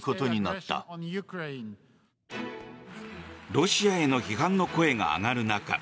ロシアへの批判の声が上がる中